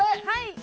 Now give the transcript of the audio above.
はい。